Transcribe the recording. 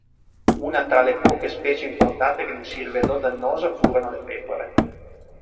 Una tra le poche specie importate che non si rivelò dannosa furono le pecore.